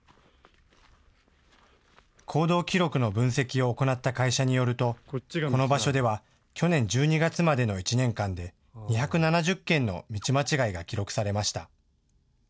行動記録の分析を行った会社によるとこの場所では去年１２月までの１年間で２７０件の道間違いが記録されました。